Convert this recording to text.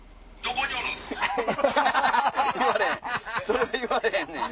それは言われへんねん